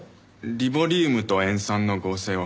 リボリウムと塩酸の合成を。